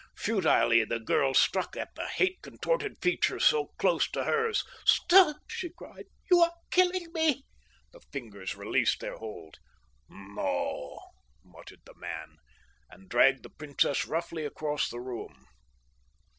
Futilely the girl struck at the hate contorted features so close to hers. "Stop!" she cried. "You are killing me." The fingers released their hold. "No," muttered the man, and dragged the princess roughly across the room.